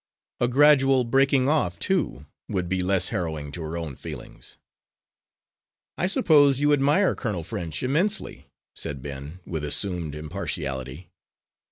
A gradual breaking off, too, would be less harrowing to her own feelings. "I suppose you admire Colonel French immensely," said Ben, with assumed impartiality.